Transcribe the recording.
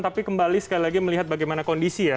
tapi kembali sekali lagi melihat bagaimana kondisi ya